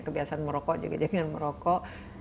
kebiasaan merokok juga jangan merokok